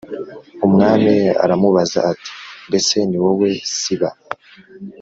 Umwami aramubaza ati “Mbese ni wowe Siba?”